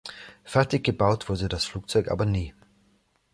Fertig gebaut wurde das Flugzeug aber nie.